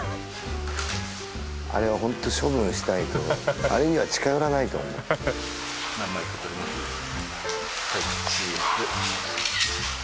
あれはホント処分しないとあれには近寄らないと思う何枚か撮ります目線